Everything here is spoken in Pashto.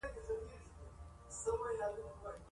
د سیاسي اوښتونونو په محراق کې نه و.